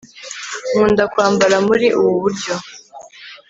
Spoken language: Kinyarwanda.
nkunda kwambara muri ubu buryo